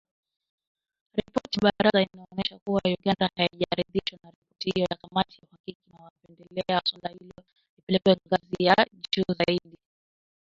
Ripoti ya Baraza inaonyesha kuwa Uganda haijaridhishwa na ripoti hiyo ya " kamati ya uhakiki “ na wanapendelea suala hilo lipelekwe ngazi ya juu zaidi